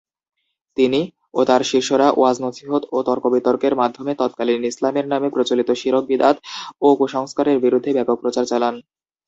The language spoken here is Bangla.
তিনি এবং তার শিষ্যরা ওয়াজ-নসীহত ও তর্ক-বিতর্কের মাধ্যমে তৎকালীন ইসলামের নামে প্রচলিত শিরক-বিদআত ও কুসংস্কারের বিরুদ্ধে ব্যাপক প্রচার চালান।